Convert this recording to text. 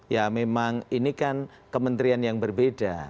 ya memang ini kan kementerian yang berbeda